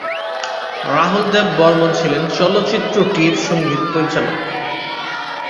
রাহুল দেব বর্মণ ছিলেন চলচ্চিত্রটির সঙ্গীত পরিচালক।